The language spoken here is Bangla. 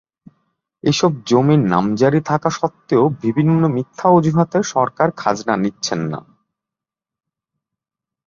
এসব জমির নামজারি থাকা সত্ত্বেও বিভিন্ন মিথ্যা অজুহাতে সরকার খাজনা নিচ্ছে না।